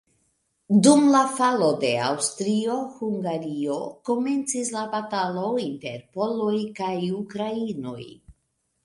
Dum la falo de Aŭstrio-Hungario komencis la batalo inter poloj kaj ukrainoj.